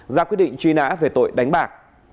ra quyết định truy nã về tội đánh bạc